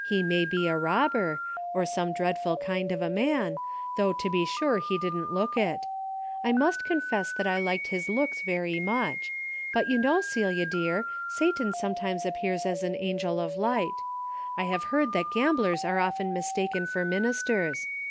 He may be a robber, or some dreadful kind of a man, though to be sure he didn't look it. I must confess that I liked his looks very much, but you know, Celia dear, Satan sometimes appears 1G4 A DAILY RATE." as an angel of light. I have heard that gam blers are often mistaken for ministers.